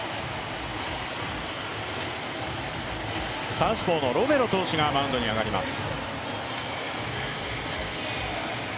サウスポーのロメロ投手がマウンドに上がります。